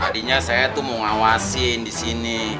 tadinya saya tuh mau ngawasin di sini